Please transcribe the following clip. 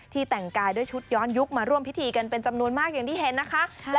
แต่งกายด้วยชุดย้อนยุคมาร่วมพิธีกันเป็นจำนวนมากอย่างที่เห็นนะคะ